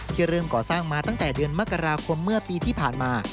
เริ่มก่อสร้างมาตั้งแต่เดือนมกราคมเมื่อปีที่ผ่านมา